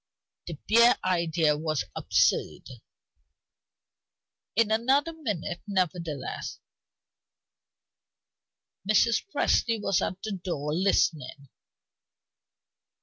The bare idea was absurd. In another minute, nevertheless, Mrs. Presty was at the door, listening.